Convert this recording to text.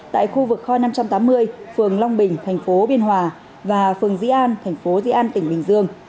tại khu vực kho năm trăm tám mươi phường long bình thành phố biên hòa và phường dĩ an thành phố dĩ an tỉnh bình dương